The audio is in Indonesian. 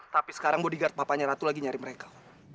tapi sekarang bodyguard papanya ratu lagi nyari mereka